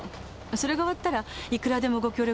それが終わったらいくらでもご協力出来るけど。